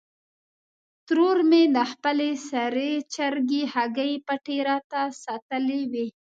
ترور مې د خپلې سرې چرګې هګۍ پټې راته ساتلې وې.